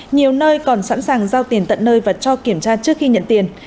nhiều nơi còn sẵn sàng giao tiền tận nơi và cho kiểm tra trước khi nhận tiền